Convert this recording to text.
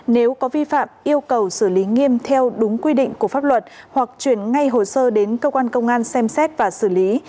nếu có vi phạm yêu cầu xử lý nghiêm theo đúng quy định của pháp luật hoặc chuyển ngay hồ sơ đến cơ quan công an xem xét và xử lý